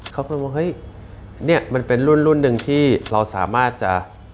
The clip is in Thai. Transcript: เขาก็เลยว่าเฮ้ยเนี่ยมันเป็นรุ่นหนึ่งที่เราสามารถจะ